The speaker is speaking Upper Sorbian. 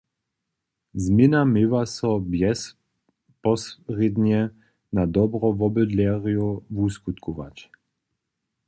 Změna měła so bjezposrědnje na dobro wobydlerjow wuskutkować.